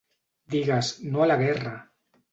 Digues No A la Guerra!